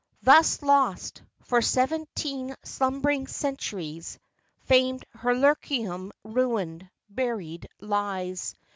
Thus lost, for seventeen slumb'ring centuries, Famed Herculaneum ruined, buried, lies.